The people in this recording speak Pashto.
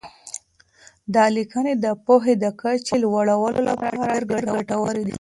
دا لیکنې د پوهې د کچې د لوړولو لپاره ډېر ګټورې دي.